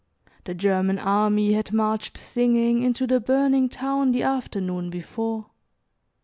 The German army had marched singing into the burning town the afternoon before.